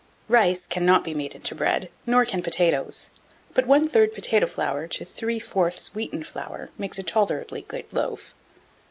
1687. Rice cannot be made into bread, nor can potatoes; but one third potato flour to three fourths wheaten flour makes a tolerably good loaf.